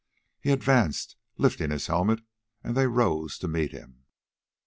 He advanced, lifting his helmet, and they rose to meet him.